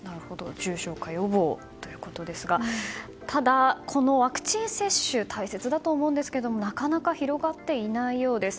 重症化予防ということですがただ、このワクチン接種は大切だと思いますがなかなか広がっていないようです。